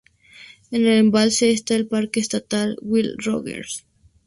En el embalse está el parque estatal Will Rogers.